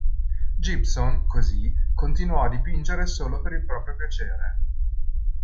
Gibson, così, continuò a dipingere solo per il proprio piacere.